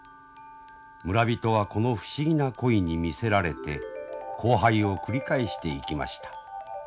村人はこの不思議な鯉に魅せられて交配を繰り返していきました。